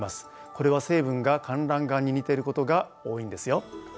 これは成分がかんらん岩に似てることが多いんですよ。